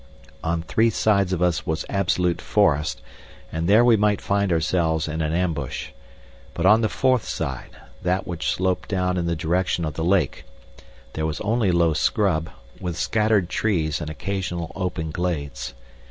On three sides of us was absolute forest, and there we might find ourselves in an ambush. But on the fourth side that which sloped down in the direction of the lake there was only low scrub, with scattered trees and occasional open glades.